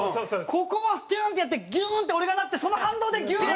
ここをトゥーン！ってやってギューン！って俺がなってその反動でギューン！